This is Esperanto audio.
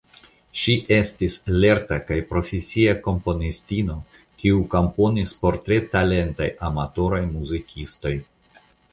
Ŝi estis lerta kaj profesia komponistino kiu komponis por tre talentaj amatoraj muzikistoj.